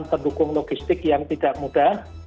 pendukung logistik yang tidak mudah